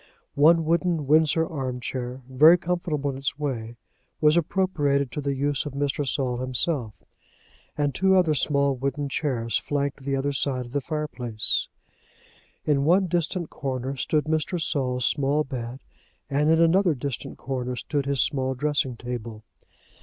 One wooden Windsor arm chair very comfortable in its way was appropriated to the use of Mr. Saul himself, and two other small wooden chairs flanked the other side of the fireplace. In one distant corner stood Mr. Saul's small bed, and in another distant corner stood his small dressing table.